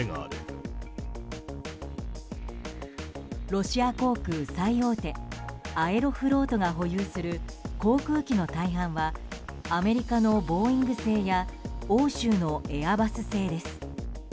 ロシア航空最大手アエロフロートが保有する航空機の大半はアメリカのボーイング製や欧州のエアバス製です。